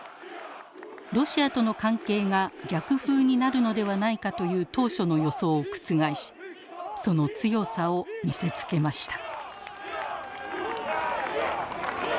ロシアとの関係が逆風になるのではないかという当初の予想を覆しその強さを見せつけました。